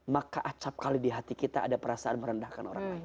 maka acap kali di hati kita ada perasaan merendahkan orang lain